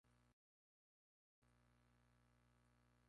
Las poblaciones que allí vivían se dedicaban a la caza y a la recolección.